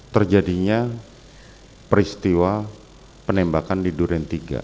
terjadinya peristiwa penembakan di duren tiga